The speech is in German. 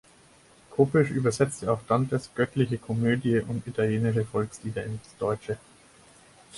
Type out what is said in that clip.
Kopisch übersetzte auch Dantes "Göttliche Komödie" und italienische Volkslieder ins Deutsche.